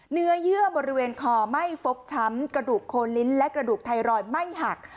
เยื่อบริเวณคอไม่ฟกช้ำกระดูกโคนลิ้นและกระดูกไทรอยด์ไม่หัก